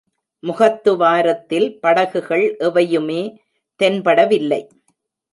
முகத்துவாரத்தில் படகுகள் எவையுமே தென்படவில்லை.